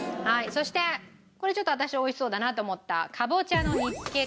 そしてこれちょっと私が美味しそうだなと思ったかぼちゃの煮付け寒天。